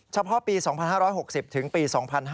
เฉพาะปี๒๕๖๐ถึงปี๒๕๕๙